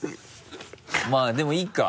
まぁでもいいか。